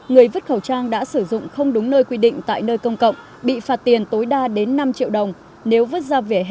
hai người vứt khẩu trang đã sử dụng không đúng nơi quy định tại nơi công cộng bị phạt tiền tối đa đến năm triệu đồng